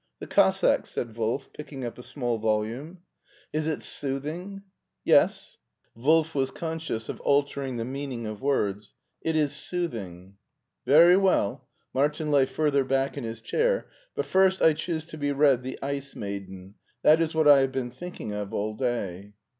''"* The Cossacks,' " said Wolf, picking up a small volume. " Is it soothing ?"" Yes "— ^Wolf was conscious of altering the mean ing of words —it is soothing." " Very well "— Martin lay further back in his chair —" but first I choose to be read the * Ice Maiden.' That is what I have been thinking of all day."